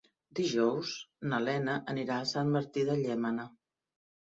Dijous na Lena anirà a Sant Martí de Llémena.